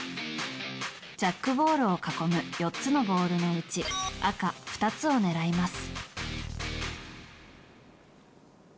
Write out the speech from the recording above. ジャックボールを囲む４つのボールのうち赤２つを狙います。